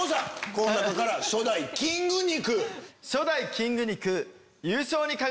この中から初代キング肉。